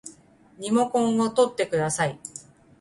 リモコンをとってください